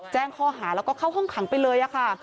แจ้งข้อหาแล้วก็เข้าห้องขังไปเลยค่ะ